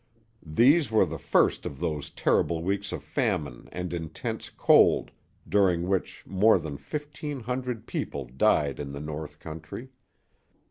These were the first of those terrible weeks of famine and intense cold during which more than fifteen hundred people died in the north country.